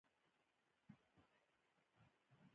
زه د خدای شکر ادا کوم.